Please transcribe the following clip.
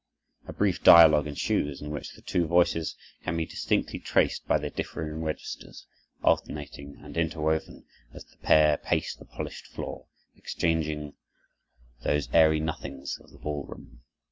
A brief dialogue ensues, in which the two voices can be distinctly traced by their differing registers, alternating and interwoven, as the pair pace the polished floor, exchanging those airy nothings of the ball room.